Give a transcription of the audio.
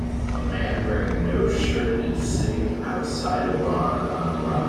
A man wearing no shirt is sitting outside a barn on a rock